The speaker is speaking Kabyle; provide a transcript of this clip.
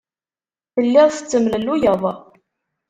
Telliḍ tettemlelluyeḍ.